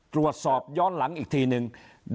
ตรวจสอบย้อนหลังอีกทีนึง